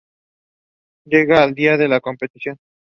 Llega el día de la competición.